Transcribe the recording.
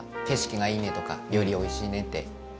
景色がいいねとか料理おいしいねって。